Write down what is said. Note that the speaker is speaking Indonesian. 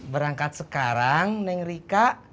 berangkat sekarang neng rika